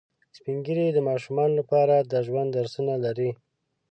سپین ږیری د ماشومانو لپاره د ژوند درسونه لري